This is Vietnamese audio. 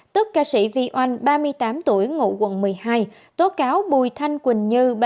tức ca sĩ vy oanh ba mươi tám tuổi ngụ quận một mươi hai tố cáo bùi thanh quỳnh như